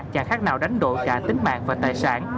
chẳng khác nào đánh độ cả tính mạng và tài sản